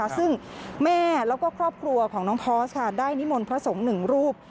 ซึ่งแม่แล้วก็ครอบครัวของน้องพอร์สได้นิมนต์พระสงฆ์หนึ่งรูป